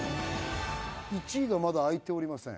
１位がまだあいておりません